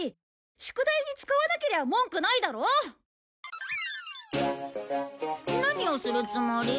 宿題に使わなけりゃ文句ないだろう？何をするつもり？